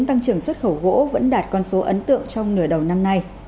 tăng trưởng xuất khẩu gỗ vẫn đạt con số ấn tượng trong nửa đầu năm nay